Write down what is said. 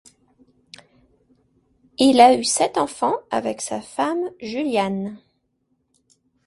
Il a eu sept enfants avec sa femme Juliane.